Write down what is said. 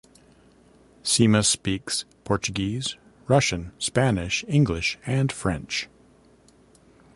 Simas speaks Portuguese, Russian, Spanish, English and French.